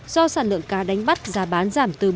do sản lượng cá đánh bắt giá bán giảm từ bốn mươi năm mươi